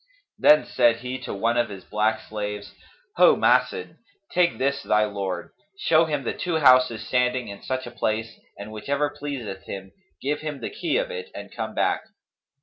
Then said he to one of his black slaves, 'Ho Mas'dd, take this thy lord: show him the two houses standing in such a place, and whichever pleaseth him, give him the key of it and come back.'